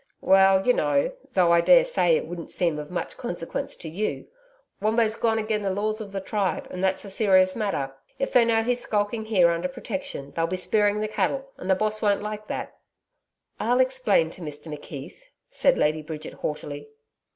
'Well, ye know though, I daresay, it wouldn't seem of much consequence to you Wombo's gone agen the laws of the tribe, and that's a serious matter. If they know he's skulking here under protection, they'll be spearing the cattle, and the Boss won't like that.' 'I'll explain to Mr McKeith,' said Lady Bridget haughtily.